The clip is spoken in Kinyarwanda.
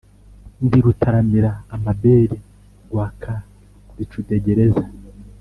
ndi rutamira amabeli rwa kalicudegereza,